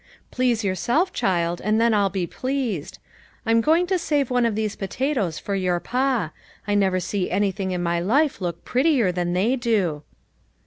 Please yourself, child, and then I'll be pleased. I'm going to save one of these potatoes for your pa ; I never see anything in my life look prettier than they do."